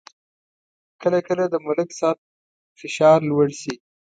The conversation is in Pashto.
کله کله د ملک صاحب فشار لوړ شي